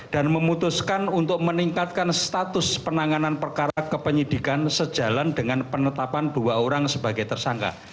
dan memutuskan untuk meningkatkan status penanganan perkara kepenyidikan sejalan dengan penetapan dua orang sebagai tersangka